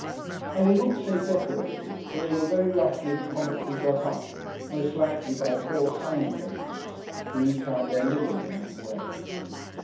I will not say decorated, for they were very roughly and comically got up; most likely by poor sign painters, who eke out their living in that way.